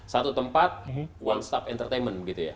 satu tempat one stop entertainment gitu ya